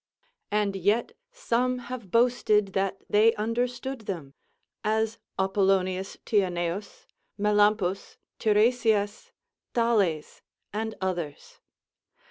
And yet some have boasted that they understood them, as Apollonius Tyanaus, Melampus, Tiresias, Thales, and others.